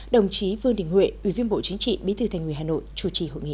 đồng chí vương đình huệ ủy viên bộ chính trị bí thư thành ủy hà nội chủ trì hội nghị